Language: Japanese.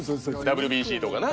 ＷＢＣとかな。